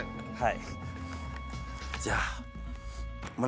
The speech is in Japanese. はい。